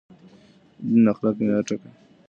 دين اخلاقي معيار ټاکه.